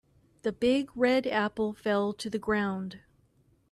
The big red apple fell to the ground.